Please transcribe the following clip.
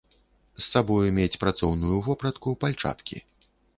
З сабою мець працоўную вопратку, пальчаткі.